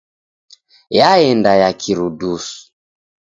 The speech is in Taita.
Yaenda ya kirudusu.